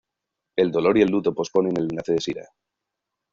El dolor y el luto posponen el enlace de Shira.